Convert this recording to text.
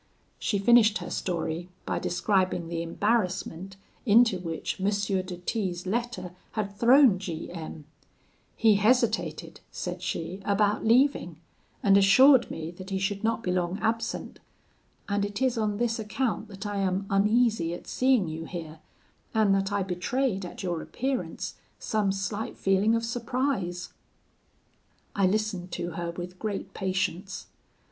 She finished her story by describing the embarrassment into which M. de T 's letter had thrown G M ; 'he hesitated,' said she, 'about leaving, and assured me that he should not be long absent; and it is on this account that I am uneasy at seeing you here, and that I betrayed, at your appearance, some slight feeling of surprise.' "I listened to her with great patience.